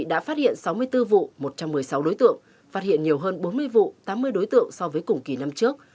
đã phát hiện sáu mươi bốn vụ một trăm một mươi sáu đối tượng phát hiện nhiều hơn bốn mươi vụ tám mươi đối tượng so với cùng kỳ năm trước